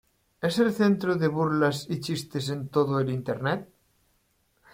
Es el centro de burlas y chistes en todo el Internet.